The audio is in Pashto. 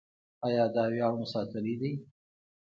آیا دا ویاړ مو ساتلی دی؟